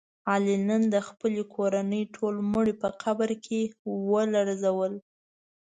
علي نن د خپلې کورنۍ ټول مړي په قبر کې ولړزول.